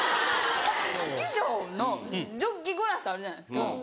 師匠のジョッキグラスあるじゃないですか。